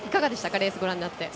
レース、ご覧になって。